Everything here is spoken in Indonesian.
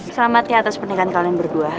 selamat ya atas pernikahan kalian berdua